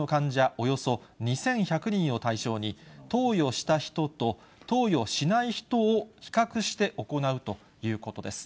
およそ２１００人を対象に、投与した人と投与しない人を比較して行うということです。